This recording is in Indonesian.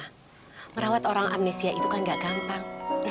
ngerawat orang amnesia itu kan gak gampang